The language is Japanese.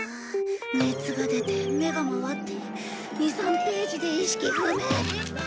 熱が出て目が回って２３ページで意識不明。